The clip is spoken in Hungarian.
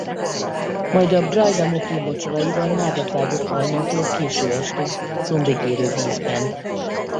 Majd a Braila-Mocrin mocsaraiban nádat vágott hajnaltól késő estig combig érő vízben.